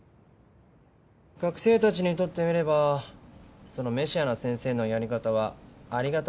学生たちにとってみればそのメシアな先生のやり方はありがたいと思うかもね。